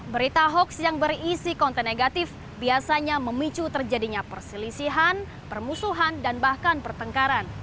berita hoax yang berisi konten negatif biasanya memicu terjadinya perselisihan permusuhan dan bahkan pertengkaran